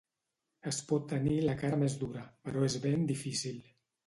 Es pot tenir la cara més dura, però és ben difícil.